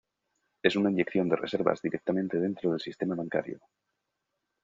Es una inyección de reservas directamente dentro del sistema bancario.